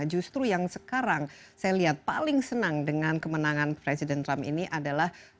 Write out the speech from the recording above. justru yang sekarang saya lihat paling senang dengan kemenangan presiden trump ini adalah